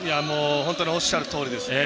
本当におっしゃるとおりですね。